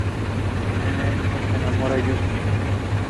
Who could be the double agents?